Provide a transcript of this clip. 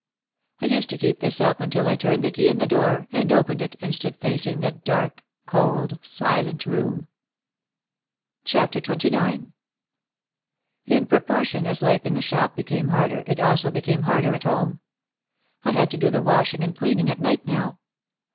I used to keep this up until I turned the key in the door and opened it and stood facing the dark, cold, silent room. OUT OF THE SHADOW 115 XXIX In proportion as life in the shop became harder, it also became harder at home. I had to do the washing and cleaning at night now.